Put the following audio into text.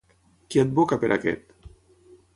Qui advoca per aquest?